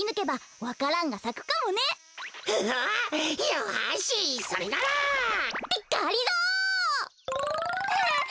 よしそれなら！ってがりぞー！